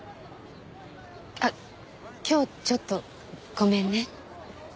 あっ今日ちょっとごめんね。